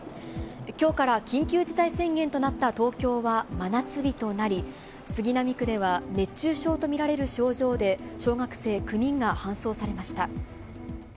きょうから緊急事態宣言となった東京は、真夏日となり、杉並区では熱中症と見られる症状で、小学生９人が搬送されました。